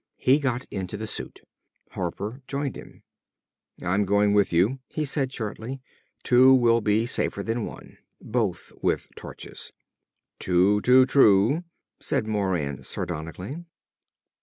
He got into the suit. Harper joined him. "I'm going with you," he said shortly. "Two will be safer than one, both with torches." "Too, too true!" said Moran sardonically.